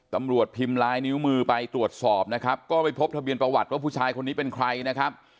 ตำรวจพิมพ์ลายนิ้วมือไปตรวจสอบนะครับก็ไม่พบทะเบียประวัติว่าผู้ชายคนนี้เป็นใครนะครับ